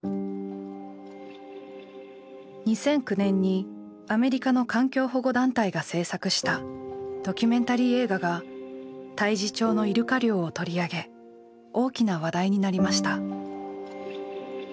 ２００９年にアメリカの環境保護団体が制作したドキュメンタリー映画が太地町のイルカ漁を取り上げ大きな話題になりました。